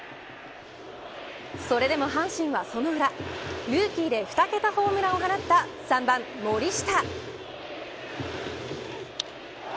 それでも阪神はその裏ルーキーで２桁ホームランを放った３番、森下。